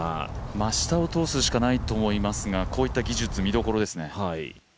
真下を通すしかないですがこういった技術見どころですね。